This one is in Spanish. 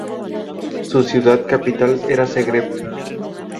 Su ciudad capital era Zagreb.